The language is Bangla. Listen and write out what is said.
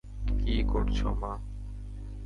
কী করছো, মা?